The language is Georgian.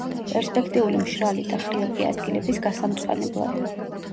პერსპექტიული მშრალი და ხრიოკი ადგილების გასამწვანებლად.